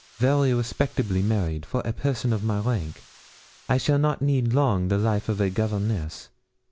Very respectably married, for a person of my rank. I shall not need long the life of a governess.